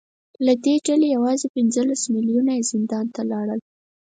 له دې ډلې یوازې پنځلس میلیونه یې زندان ته لاړل